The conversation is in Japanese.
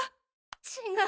違う！